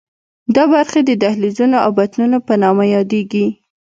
دا برخې د دهلیزونو او بطنونو په نامه یادېږي.